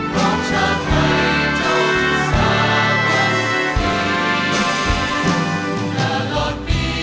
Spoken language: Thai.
ขอบความจากฝ่าให้บรรดาดวงคันสุขสิทธิ์